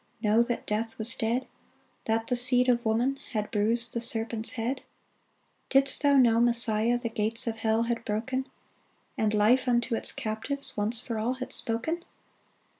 Know that Death was dead ? That the seed of woman Had bruised the serpent's head ? 408 DAYBREAK Didst thou know Messiah The gates of hell had broken, And life unto its captives Once for all had spoken